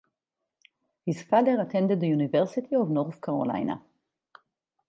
His father attended the University of North Carolina.